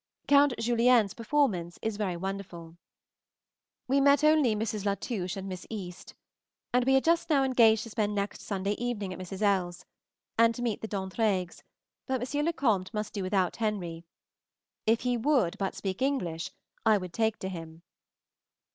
Count Julien's performance is very wonderful. We met only Mrs. Latouche and Miss East, and we are just now engaged to spend next Sunday evening at Mrs. L.'s, and to meet the D'Entraigues, but M. le Comte must do without Henry. If he would but speak English, I would take to him.